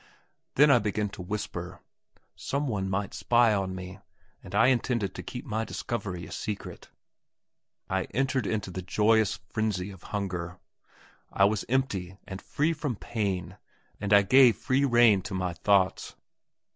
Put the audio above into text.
Then I begin to whisper; some one might spy on me, and I intended to keep my discovery a secret. I entered into the joyous frenzy of hunger. I was empty and free from pain, and I gave free rein to my thoughts.